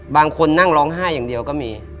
บางคนนั่งร้องไห้อย่างเดียวก็มี